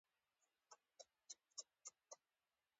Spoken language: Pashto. که د جګړو کونکیو کې تمیز یا رحم وای.